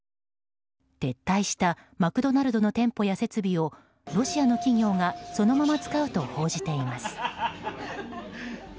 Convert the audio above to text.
撤退したマクドナルドの店舗や設備をロシアの企業がそのまま使うと報じています。